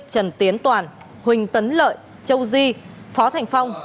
trần tiến toàn huỳnh tấn lợi châu di phó thành phong